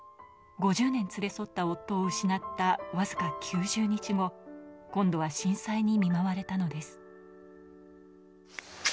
５０年連れ添った夫を失ったわずか９０日後、今度は震災に見舞われたのです。